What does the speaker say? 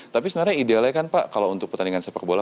tapi sebenarnya idealnya kan pak kalau untuk pertandingan sepak bola